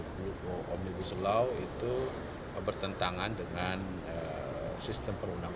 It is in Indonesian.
dan juga untuk menjaga kepentingan pemerintah